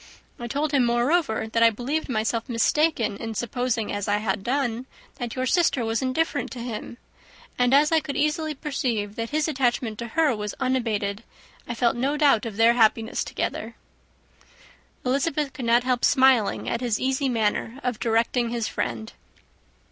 I told him, moreover, that I believed myself mistaken in supposing, as I had done, that your sister was indifferent to him; and as I could easily perceive that his attachment to her was unabated, I felt no doubt of their happiness together." Elizabeth could not help smiling at his easy manner of directing his friend.